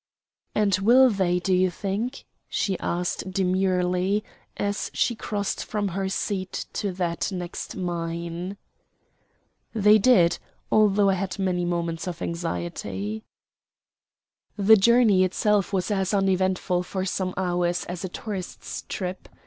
"And will they, do you think?" she asked demurely as she crossed from her seat to that next mine. They did, although I had many moments of anxiety. The journey itself was as uneventful for some hours as a tourist's trip.